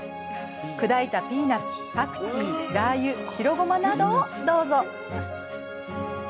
砕いたピーナツパクチーラーユ白ごまなどをどうぞ。